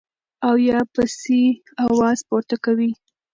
او يا پسې اواز پورته کوي -